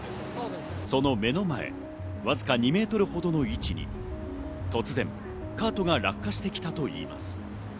その目の前、わずか２ｍほどの位置に突然、カートが落下してきたといいます。